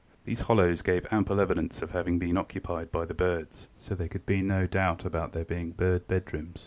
These hollows gave ample evidence of having been occupied by the birds, so there could be no doubt about their being bird bed rooms."